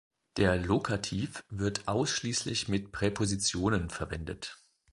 Der Lokativ wird ausschließlich mit Präpositionen verwendet.